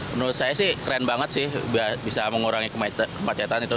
menurut saya sih keren banget sih bisa mengurangi kemacetan itu